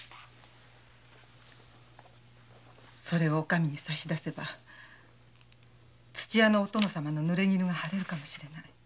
それをお上に差し出せば殿様のヌレギヌが晴れるかもしれない。